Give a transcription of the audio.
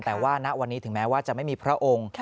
แต่ว่าณวันนี้ถึงแม้ว่าจะไม่มีพระองค์